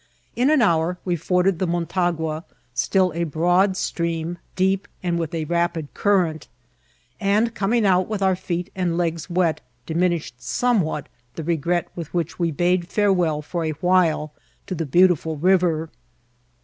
In an hour we ford ed the Motagna, still a broad stream, deep, and with a rapid current ; and coming aoi with our feet and legs CBI^UIMULA. 78 wet diminished somewhat the regret with which we bode feurewell for a while to the beautiful river.